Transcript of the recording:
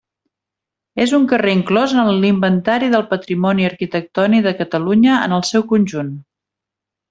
És un carrer inclòs en l'Inventari del Patrimoni Arquitectònic de Catalunya en el seu conjunt.